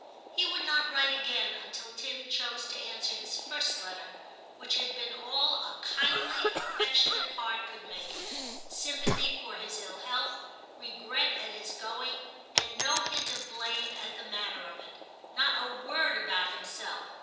He would not write again until Tim chose to answer his first letter, which had been all a kindly affectionate heart could make it, sympathy for his ill health, regret at his going, and no hint of blame at the manner of it, not a word about himself.